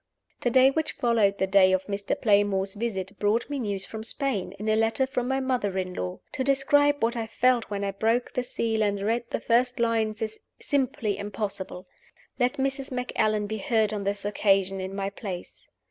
The day which followed the day of Mr. Playmore's visit brought me news from Spain, in a letter from my mother in law. To describe what I felt when I broke the seal and read the first lines is simply impossible. Let Mrs. Macallan be heard on this occasion in my place.